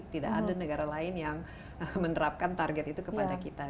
tidak ada negara lain yang menerapkan target itu kepada kita